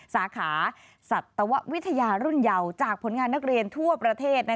สาขาสัตววิทยารุ่นเยาจากผลงานนักเรียนทั่วประเทศ